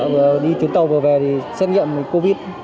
vừa đi chuyến tàu vừa về thì xét nghiệm covid